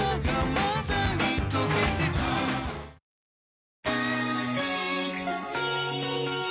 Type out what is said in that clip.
「パーフェクトスティック」